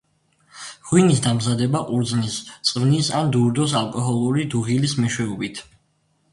ღვინის დამზადება ყურძნის წვნის ან დურდოს ალკოჰოლური დუღილის მეშვეობით.